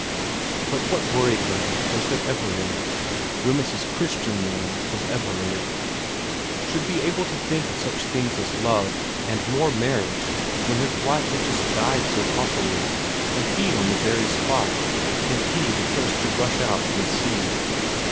But what worried her was that Everard Wemyss's Christian name was Everard should be able to think of such things as love and more marriage when his wife had just died so awfully, and he on the very spot, and he the first to rush out and see.